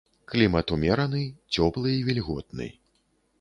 Клімат умераны, цёплы і вільготны.